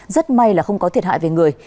rất may là không có thiệt hại về người